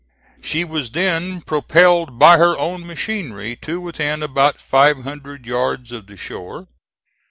She was then propelled by her own machinery to within about five hundred yards of the shore.